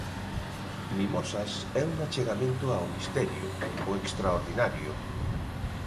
Mimosas é un achegamento ao misterio, o extraordinario.